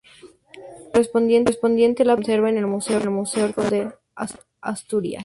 La correspondiente lápida se conserva en el Museo Arqueológico de Asturias.